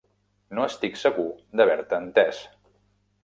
No estic segur d"haver-te entès.